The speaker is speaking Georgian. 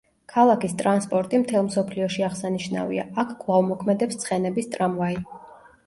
ქალაქის ტრანსპორტი მთელ მსოფლიოში აღსანიშნავია, აქ კვლავ მოქმედებს ცხენების ტრამვაი.